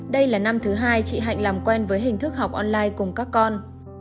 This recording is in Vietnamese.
đây là năm thứ hai chị hạnh làm quen với hình thức học online cùng các con